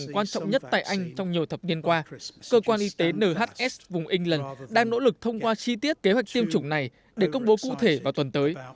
quan trọng nhất tại anh trong nhiều thập niên qua cơ quan y tế nhs vùng england đang nỗ lực thông qua chi tiết kế hoạch tiêm chủng này để công bố cụ thể vào tuần tới